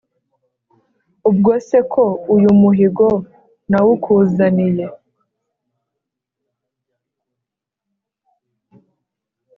ubwo se ko uyu muhigo nawukuzaniye